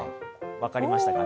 分かりましたか？